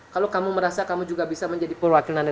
kalau kamu merasa kamu juga bisa menjadi perwakilan dari bapak nilo